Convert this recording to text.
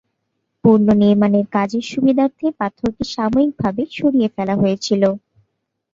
পুনর্নির্মাণের কাজের সুবিধার্থে পাথরটি সাময়িকভাবে সরিয়ে ফেলা হয়েছিল।